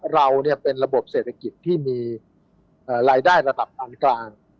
เราเป็นระบบเศรษฐกิจที่มีรายได้ระดับปานกลาง